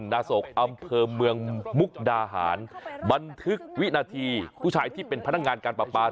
โศกอำเภอเมืองมุกดาหารบันทึกวินาทีผู้ชายที่เป็นพนักงานการปรับปลา